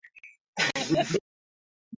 wakingojea ishara ya ibada kutoka kwa Keekonyukie